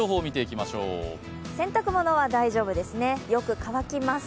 洗濯物は大丈夫ですね、よく乾きます。